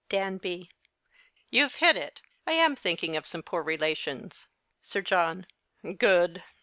Danby. You've hit it. I am thinking of some poor relations. Sir John. Good.